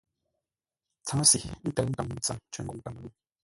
Tsáŋə́se ntə̂ʉ nkaŋ-ŋuu ntsəm cər ngoŋ Káməlûm.